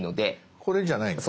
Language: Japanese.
これじゃないんだ。